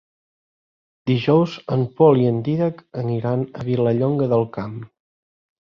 Dijous en Pol i en Dídac aniran a Vilallonga del Camp.